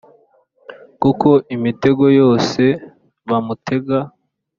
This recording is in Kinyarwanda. kuko imitego yose bamutega